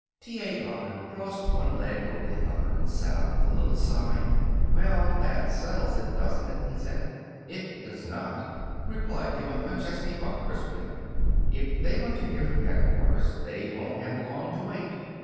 T. A. Buck crossed one leg over the other and sat up with a little sigh. "Well, that settles it, doesn't it?" he said. "It does not," replied Emma McChesney Buck crisply. "If they want to hear from headquarters, they won't have long to wait."